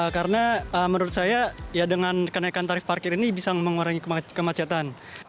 karena menurut saya ya dengan kenaikan tarif parkir ini bisa mengurangi kemacetan